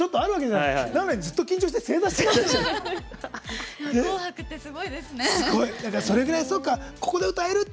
なのに、ずっと緊張して正座してるって。